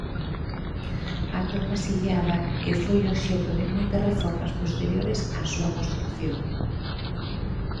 Atópase illada e foi obxecto de moitas reformas posteriores á súa construción.